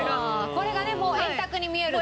これがね円卓に見えると。